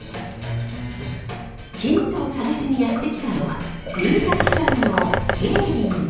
ヒントを探しにやって来たのは新座市内の平林寺！